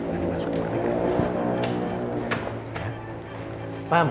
nanti kalau ada data yang masuk